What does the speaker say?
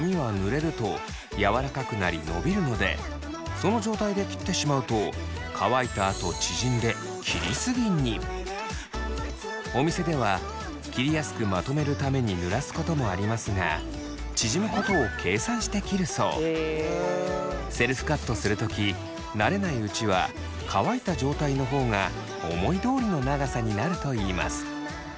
その状態で切ってしまうと乾いたあと縮んでお店では切りやすくまとめるためにぬらすこともありますがセルフカットする時慣れないうちは乾いた状態の方が思いどおりの長さになるといいます。